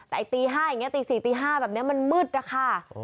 แต่ตี๔ตี๕แบบนี้มันมืดนะคะ